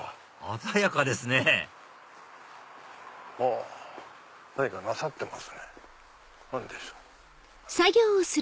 鮮やかですねおっ何かなさってますね何でしょう？